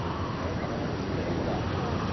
魚も釣ってくるんだ」